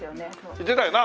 言ってたよな？